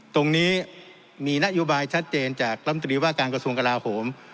ตรงนี้มีนโยบายชัดเจนจากลำตรีว่าการกระทรวงกลาโหม